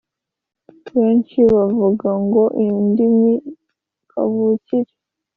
benshi bavugagamo indimi kavukire